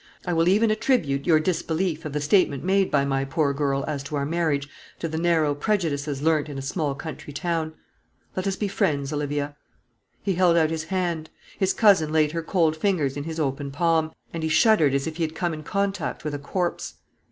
I will even attribute your disbelief of the statement made by my poor girl as to our marriage to the narrow prejudices learnt in a small country town. Let us be friends, Olivia." He held out his hand. His cousin laid her cold fingers in his open palm, and he shuddered as if he had come in contact with a corpse.